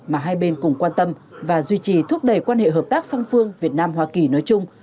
mà hai bên cùng quan tâm và duy trì thúc đẩy quan hệ hợp tác song phương việt nam hoa kỳ nói chung